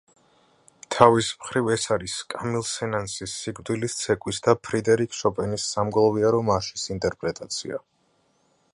თავის მხრივ, ეს არის კამილ სენ-სანსის „სიკვდილის ცეკვის“ და ფრიდერიკ შოპენის „სამგლოვიარო მარშის“ ინტერპრეტაცია.